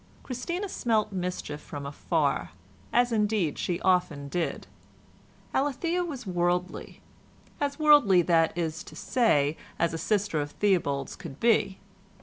Christina smelt mischief from afar, as indeed she often did. Alethea was worldly—as worldly, that is to say, as a sister of Theobald's could be.